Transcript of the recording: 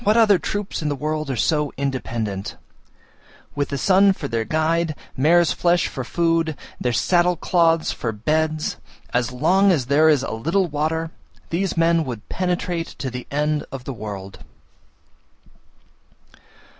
What other troops in the world are so independent? With the sun for their guide, mare's flesh for food, their saddle cloths for beds, as long as there is a little water, these men would penetrate to the end of the world.